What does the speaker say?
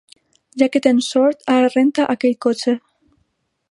Ja que tens sort, ara renta aquell cotxe.